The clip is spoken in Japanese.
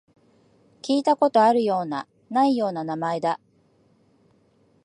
聞いたことあるような、ないような名前だ